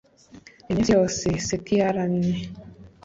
Iminsi yose Seti yaramye